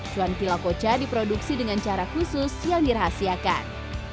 cuan ki lakoca diproduksi dengan cara khusus yang dirahasiakan